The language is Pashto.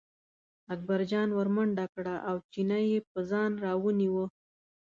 اکبرجان ور منډه کړه او چینی یې په ځان راونیوه.